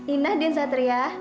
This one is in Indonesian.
ini aden satria